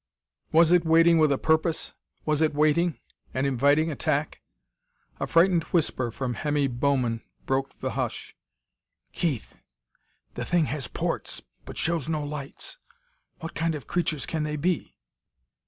Was it waiting with a purpose? Was it waiting and inviting attack? A frightened whisper from Hemmy Bowman broke the hush: "Keith, the thing has ports, but shows no lights! What kind of creatures can they be?"